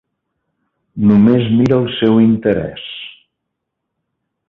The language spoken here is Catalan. Només mira el seu interès.